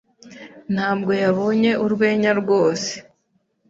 Ntabwo yabonye urwenya rwose.